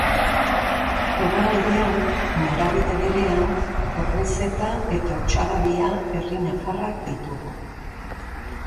Hegoaldean, norabide berean, Orbaizeta eta Otsagabia herri nafarrak ditugu.